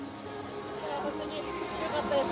本当によかったです。